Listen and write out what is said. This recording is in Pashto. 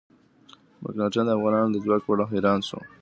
مکناتن د افغانانو د ځواک په اړه حیران شو.